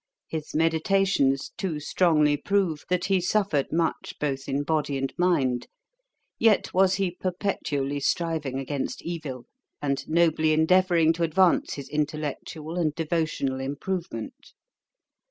His Meditations too strongly prove that he suffered much both in body and mind; yet was he perpetually striving against evil, and nobly endeavouring to advance his intellectual and devotional improvement.